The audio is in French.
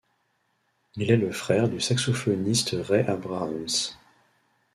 Il est le frère du saxophoniste Ray Abrams.